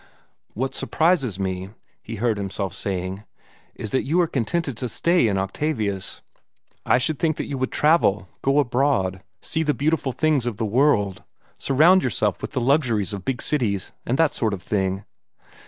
"What surprises me," he heard himself saying, "is that you are contented to stay in Octavius. I should think that you would travel go abroad see the beautiful things of the world, surround yourself with the luxuries of big cities and that sort of thing."